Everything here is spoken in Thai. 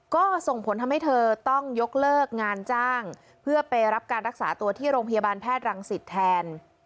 ก็ส่งผลทำให้เธอต้องยกเลิกงานจ้างเพื่อไปรับการรักษาตัวที่โรงพยาบาลแพทย์รังสิตแทน